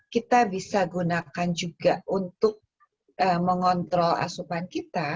kita bisa gunakan juga untuk mengontrol asupan kita